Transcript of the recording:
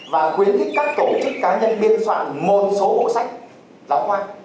và khuyến khích các tổ chức cá nhân biên soạn một số bộ sách giáo khoa